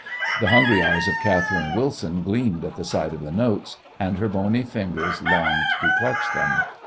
The hungry eyes of Catherine Wilson gleamed at the sight of the notes, and her bony fingers longed to clutch them.